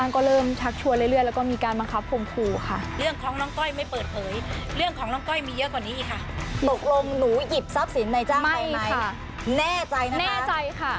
เงินสดล้านหนึ่งไม่ได้เอาไปเลยค่ะ